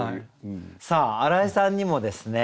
さあ荒井さんにもですね